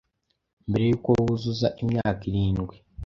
mbere yuko wuzuza Imyaka irindwi,